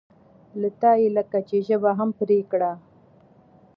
له تا یې لکه چې ژبه هم پرې کړې.